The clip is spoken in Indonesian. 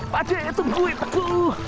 pada itu buitku